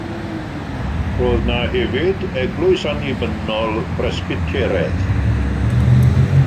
Roedd yna hefyd Eglwys Annibynnol Bresbyteraidd.